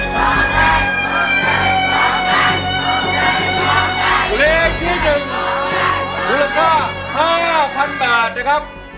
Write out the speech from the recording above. หนุนเลขที่หนึ่งมูลค่า๕๐๐๐บาทนะครับ